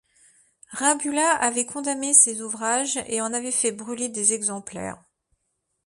Rabbula avait condamné ces ouvrages et en avait fait brûler des exemplaires.